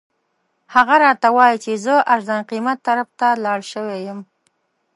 هغه راته وایي چې زه ارزان قیمت طرف ته لاړ شوی یم.